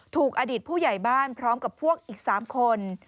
ถูกอดีตผู้ใหญ่บ้านพร้อมกับพวกอีก๓คน